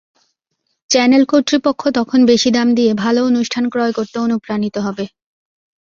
Channel কর্তৃপক্ষ তখন বেশি দাম দিয়ে ভালো অনুষ্ঠান ক্রয় করতে অনুপ্রাণিত হবে।